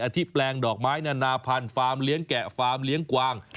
อะทิแปลงดอกไม้นาภัณฑ์ฟาร์มเหลียงแกะฟาร์มเหลียงกว่าง